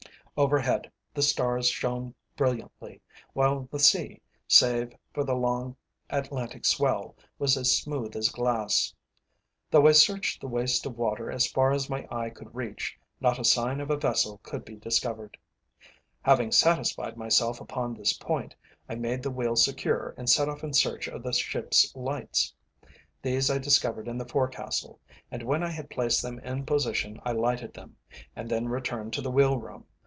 Overhead the stars shone brilliantly, while the sea, save for the long Atlantic swell, was as smooth as glass. Though I searched the waste of water as far as my eye could reach, not a sign of a vessel could be discovered. Having satisfied myself upon this point, I made the wheel secure and set off in search of the ship's lights. These I discovered in the forecastle, and when I had placed them in position I lighted them, and then returned to the wheel room.